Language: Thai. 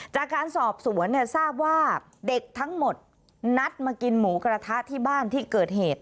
จากการสอบสวนเนี่ยทราบว่าเด็กทั้งหมดนัดมากินหมูกระทะที่บ้านที่เกิดเหตุ